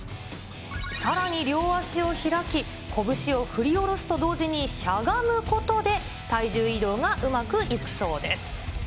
さらに両足を開き、拳を振り下ろすと同時にしゃがむことで、体重移動がうまくいくそうです。